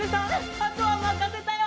あとはまかせたよ！